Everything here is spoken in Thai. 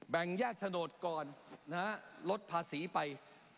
แบ่งแยกโฉนดก่อนลดภาษีไป